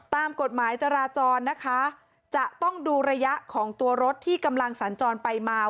ตามกฎหมายจราจรนะคะจะต้องดูระยะของตัวรถที่กำลังสัญจรไปมา